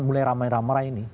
mulai ramai ramai ini